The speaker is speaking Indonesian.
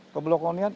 ke blok komunian